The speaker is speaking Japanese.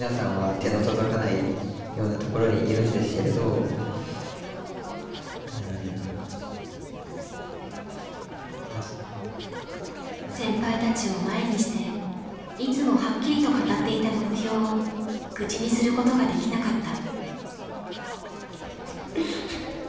本当に先輩たちを前にしていつもはっきりと語っていた目標を口にすることができなかった。